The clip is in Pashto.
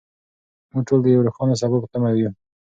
موږ ټول د یو روښانه سبا په تمه یو.